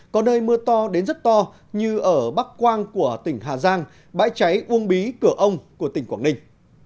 có nơi mưa to đến rất to như ở bắc quang của tỉnh hà giang bãi cháy uông bí cửa ông của tỉnh quảng ninh